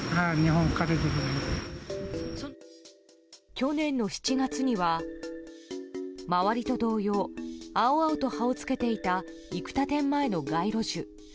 去年の７月には周りと同様青々と葉をつけていた生田店前の街路樹。